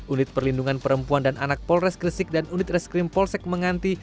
unit perlindungan perempuan dan anak polres gresik dan unit reskrim polsek menganti